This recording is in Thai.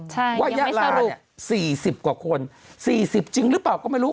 ใช่ยังไม่สรุปว่ายาลา๔๐กว่าคน๔๐จริงหรือเปล่าก็ไม่รู้